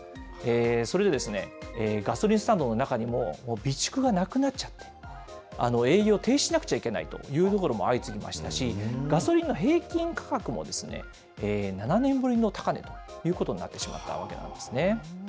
それで、ガソリンスタンドの中にも備蓄がなくなっちゃった、営業を停止しなくちゃいけないというところも相次ぎましたし、ガソリンの平均価格も７年ぶりの高値ということになってしまったわけなんですね。